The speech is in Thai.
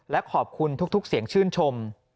และขอบคุณทุกเสียงชื่นชม